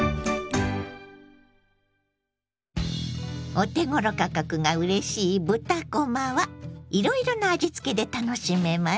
お手ごろ価格がうれしい豚こまはいろいろな味付けで楽しめます。